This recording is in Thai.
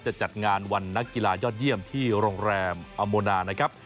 จัดงานวันนักกีฬายอดเยี่ยมที่โรงแรมอโมนานะครับ